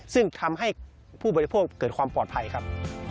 ซึ่งทำให้ผู้บริโภคเกิดความปลอดภัยครับ